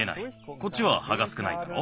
こっちははがすくないだろう？